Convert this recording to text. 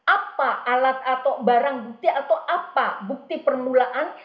apa alat atau barang bukti atau apa bukti permulaan